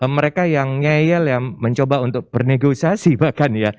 mereka yang ngeyel yang mencoba untuk bernegosiasi bahkan ya